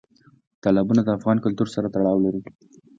تالابونه د افغان کلتور سره تړاو لري.